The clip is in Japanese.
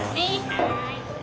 はい。